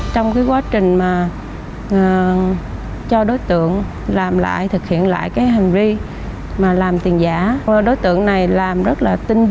trong quá trình cho đối tượng làm lại thực hiện lại hành vi làm tiền giả đối tượng này làm rất tinh vi rất thần thuật